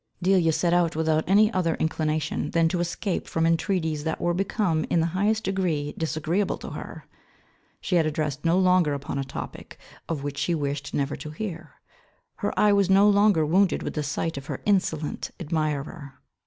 Delia set out without any other inclination, than to escape from intreaties that were become in the highest degree disagreeable to her. She was addressed no longer upon a topic, of which she wished never to hear. Her eye was no longer wounded with the sight of her insolent admirer.